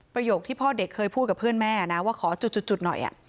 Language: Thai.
ประโยคที่พ่อเด็กเคยพูดกับเพื่อนแม่นะว่าขอจุดหน่อย